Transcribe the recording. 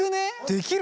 できる？